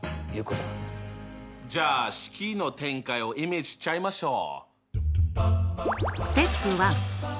じゃあ式の展開をイメージしちゃいましょう！